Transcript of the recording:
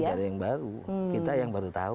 tidak ada yang baru kita yang baru tahu